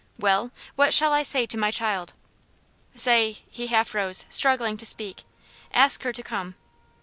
"Well, what shall I say to my child?" "Say" he half rose, struggling to speak "ask her to come."